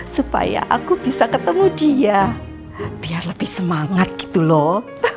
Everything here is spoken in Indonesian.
supaya aku bisa ketemu dia biar lebih semangat gitu loh